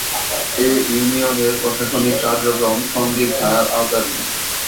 এ ইউনিয়নের প্রশাসনিক কার্যক্রম সন্দ্বীপ থানার আওতাধীন।